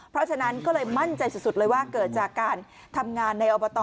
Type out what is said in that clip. เพราะฉะนั้นก็เลยมั่นใจสุดเลยว่าเกิดจากการทำงานในอบต